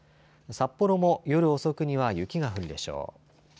札幌も夜遅くには雪が降るでしょう。